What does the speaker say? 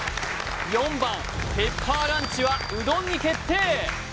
４番ペッパーランチはうどんに決定